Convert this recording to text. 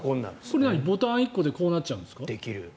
これはボタン１個でこうなっちゃうんですか？